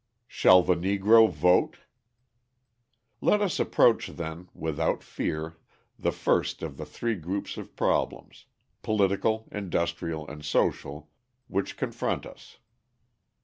Shall the Negro Vote? Let us approach, then, without fear the first of the three groups of problems political, industrial, and social which confront us.